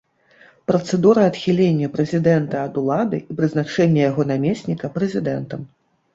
Працэдура адхілення прэзідэнта ад улады і прызначэння яго намесніка прэзідэнтам.